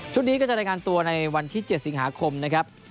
นี้ก็จะรายงานตัวในวันที่๗สิงหาคมนะครับ